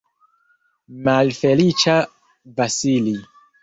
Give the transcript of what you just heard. Malfeliĉa Vasili!